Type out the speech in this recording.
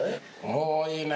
おぉいいね。